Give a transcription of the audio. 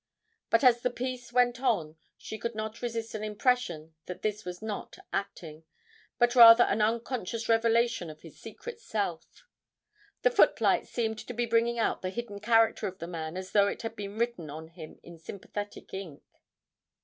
But as the piece went on, she could not resist an impression that this was not acting, but rather an unconscious revelation of his secret self; the footlights seemed to be bringing out the hidden character of the man as though it had been written on him in sympathetic ink.